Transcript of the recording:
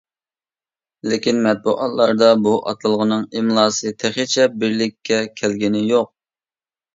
لېكىن مەتبۇئاتلاردا بۇ ئاتالغۇنىڭ ئىملاسى تېخىچە بىرلىككە كەلگىنى يوق.